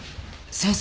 先生。